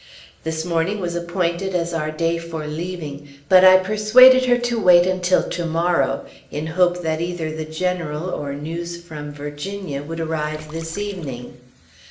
This morning was appointed as our day for leaving, but I persuaded her to wait until to morrow, in hope that either the General, or news from Virginia, would arrive this evening.